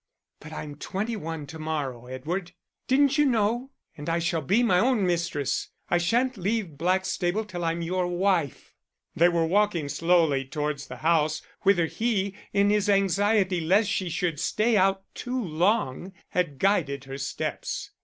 "But I'm twenty one to morrow, Edward didn't you know? And I shall be my own mistress. I shan't leave Blackstable till I'm your wife." They were walking slowly towards the house, whither he, in his anxiety lest she should stay out too long, had guided her steps.